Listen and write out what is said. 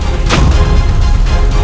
bisa menemukan mereka sendiri lalu